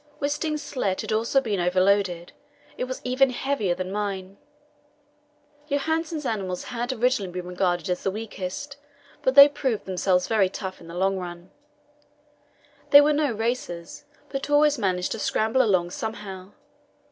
Wisting's sledge had also been overloaded; it was even heavier than mine. Johansen's animals had originally been regarded as the weakest, but they proved themselves very tough in the long run. They were no racers, but always managed to scramble along somehow.